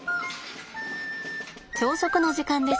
朝食の時間です。